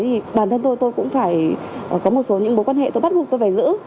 thì bản thân tôi cũng phải có một số những bối quan hệ tôi bắt buộc tôi phải giữ